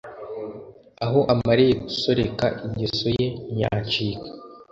Aho amariye gusoreka Ingeso ye ntiyacika